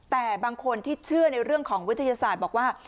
แต่บางคนที่เชื่อในเรื่องของวิทยาศาสตร์บอกว่า